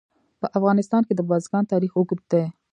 په افغانستان کې د بزګان تاریخ اوږد دی.